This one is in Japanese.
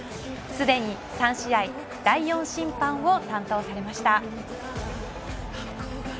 すでに３試合、第４審判を対応されました。